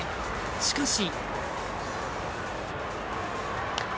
しかし。